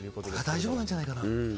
大丈夫なんじゃないかな。